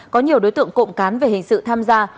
có nhiều đối tượng cộng cán về hình sự tham gia